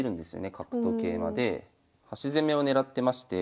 角と桂馬で端攻めをねらってまして。